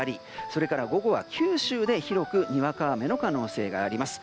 それから午後は九州で広くにわか雨の可能性があります。